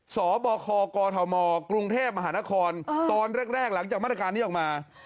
สบคกธมกรุงเทพมหานครตอนแรกหลังจากมาตรการนี้ออกมา